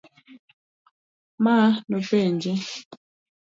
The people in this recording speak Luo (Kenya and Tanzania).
Ma nopenje